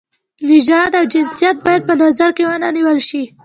نژاد او جنسیت باید په نظر کې ونه نیول شي.